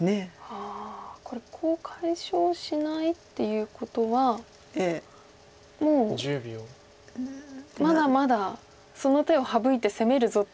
ああこれコウを解消しないっていうことはもうまだまだその手を省いて攻めるぞっていう。